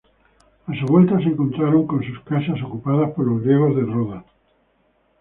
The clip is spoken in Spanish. A su vuelta se encontraron con sus casas ocupadas por los griegos de Rodas.